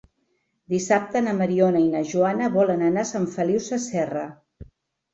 Dissabte na Mariona i na Joana volen anar a Sant Feliu Sasserra.